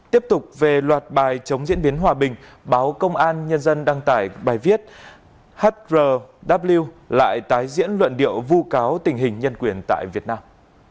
tiếp tục về loạt bài chống diễn biến hòa bình báo công an nhân dân đăng tải bài viết hrw lại tái diễn luận điệu vu cáo tình hình nhân quyền tại việt nam